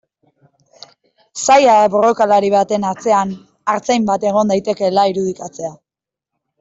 Zaila da borrokalari baten atzean artzain bat egon daitekeela irudikatzea.